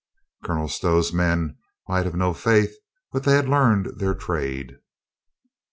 Colonel Stow's men might have no faith, but they had learned their trade.